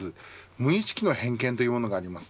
無意識の偏見というものがあります。